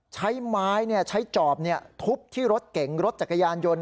ใช้ไม้ใช้จอบทุบที่รถเก๋งรถจักรยานยนต์